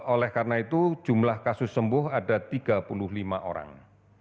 oleh karena itu jumlah kasus sembuh ada tiga puluh lima orang